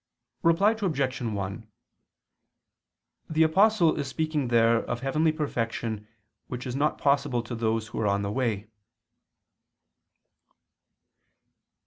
Reply Obj. 1: The Apostle is speaking there of heavenly perfection which is not possible to those who are on the way.